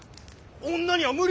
女には無理！